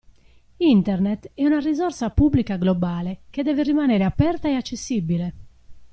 Internet è una risorsa pubblica globale che deve rimanere aperta e accessibile.